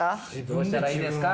どうしたらいいですか？